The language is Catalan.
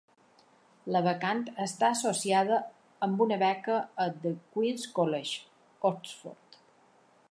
La vacant està associada amb una beca a The Queen's College, Oxford.